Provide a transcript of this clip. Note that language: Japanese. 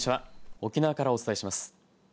沖縄からお伝えします。